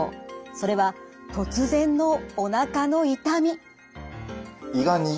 それは突然のおなかの痛み。